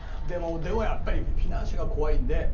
でもやっぱりフィナンシェが怖いんで。